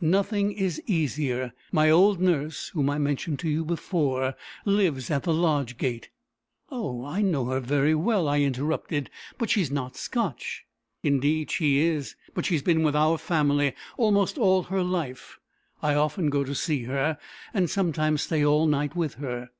"Nothing is easier. My old nurse, whom I mentioned to you before, lives at the lodge gate." "Oh! I know her very well," I interrupted. "But she's not Scotch?" "Indeed she is. But she has been with our family almost all her life. I often go to see her, and sometimes stay all night with her.